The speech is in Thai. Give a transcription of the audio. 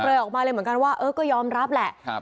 เลยออกมาเลยเหมือนกันว่าเออก็ยอมรับแหละ